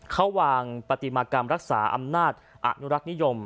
เขาวางปฏิมากรรมรักษาอำนาจอนุรักษ์นิยม